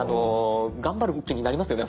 頑張る気になりますよね